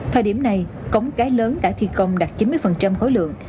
thời điểm này cống cái lớn đã thi công đạt chín mươi khối lượng